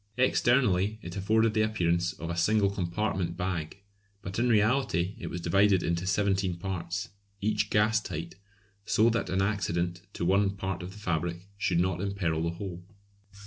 Externally it afforded the appearance of a single compartment bag, but in reality it was divided into seventeen parts, each gas tight, so that an accident to one part of the fabric should not imperil the whole.